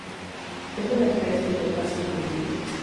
Es una especie de fácil cultivo.